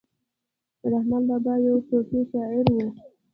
رحمان بابا یو صوفي شاعر ؤ